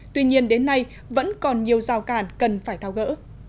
tuy nhiên đến nay vẫn còn nhiều rào cản cần phải thao gỡ